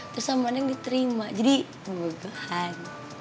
terus sama neng diterima jadi kebukaan